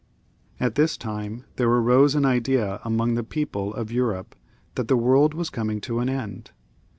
At this time there arose an idea among the people of Europe that the world was coming to an end.